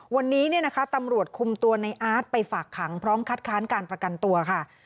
วันนี้เนี่ยนะคะตำรวจคุมตัวในอาร์ตไปฝากขังพร้อมคัดค้านการประกันตัวค่ะ